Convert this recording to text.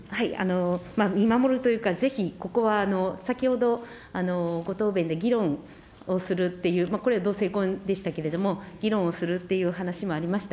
見守るというか、ぜひ、ここは先ほど、ご答弁で議論をするという、これは同性婚でしたけれども、議論をするっていう話もありました。